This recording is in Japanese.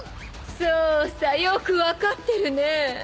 そうさよく分かってるねぇ。